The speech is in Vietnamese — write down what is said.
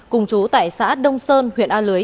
cùng chú tại xã đông sơn huyện a lưới